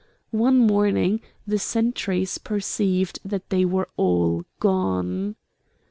One morning the sentries perceived that they were all gone.